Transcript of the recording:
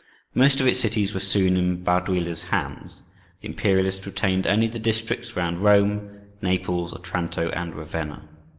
Most of its cities were soon in Baduila's hands; the Imperialists retained only the districts round Rome, Naples, Otranto, and Ravenna.